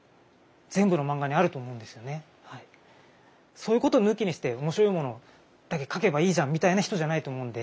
そういうことを抜きにして面白いものだけ描けばいいじゃんみたいな人じゃないと思うんで。